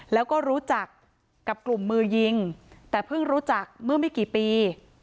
แล้วก็รู้จักกับกลุ่มมือยิงแต่เพิ่งรู้จักเมื่อไม่กี่ปี